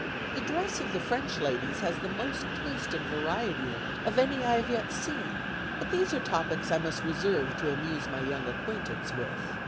The dress of the French ladies has the most taste and variety in it, of any I have yet seen; but these are topics I must reserve to amuse my young acquaintance with.